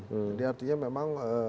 jadi artinya memang